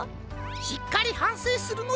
しっかりはんせいするのじゃぞ。